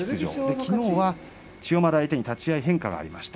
きのうは千代丸相手に立ち合い変化がありました。